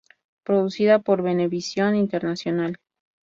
Producida por Venevisión Internacional.